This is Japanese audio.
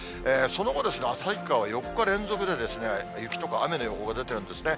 その後、旭川、４日連続、雪とか雨の予報が出てるんですね。